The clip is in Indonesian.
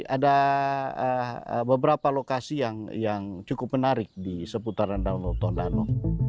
ada beberapa lokasi yang cukup menarik di seputaran danau tondano